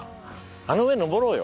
あの上上ろうよ。